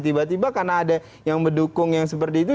tiba tiba karena ada yang mendukung yang seperti itu